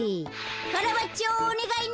カラバッチョおねがいね。